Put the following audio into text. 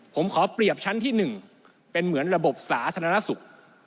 ผมขอเปรียบชั้นที่๑เป็นเหมือนระบบสาธารณสุข